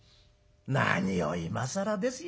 何を今更ですよ